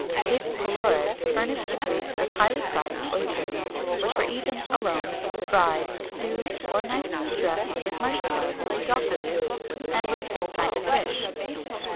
[XXI 236] Cape Pelorus furnished the Greeks with highly prized oysters,[XXI 237] which were eaten alone, fried, stewed, or nicely dressed with marsh mallows, dock leaves, and with some kind of fish.